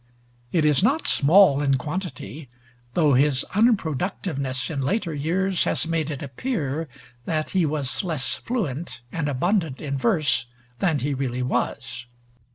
It is not small in quantity, though his unproductiveness in later years has made it appear that he was less fluent and abundant in verse than he really was.